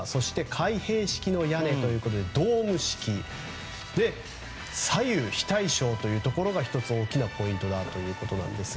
開閉式の屋根ということでドーム式、左右非対称というところが１つ、大きなポイントだということです。